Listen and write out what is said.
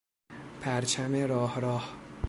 پرچم راه راه